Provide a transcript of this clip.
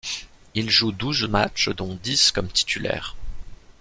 Il joue douze matchs dont dix comme titulaire.